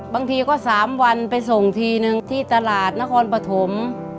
บางทีก็๓วันไปส่งทีนึงที่ตลาดนครปฐม